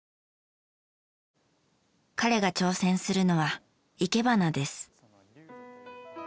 彼が挑戦するのは生け花です。